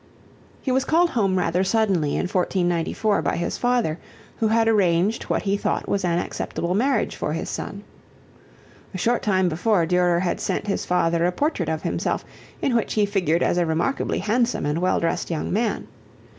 He was called home rather suddenly in 1494 by his father, who had arranged what he thought was an acceptable marriage for his son. A short time before Durer had sent his father a portrait of himself in which he figured as a remarkably handsome and well dressed young man.